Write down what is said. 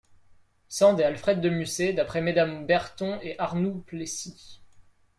Sand et Alfred de Musset d'après Mesdames Berton et Arnould-Plessy.